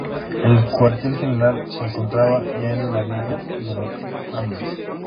El Cuartel General se encontraba ya en la Villa de Los Andes.